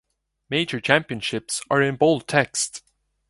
Major championships are in bold text.